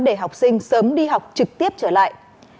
để học sinh sớm đi học trực tiếp trở lại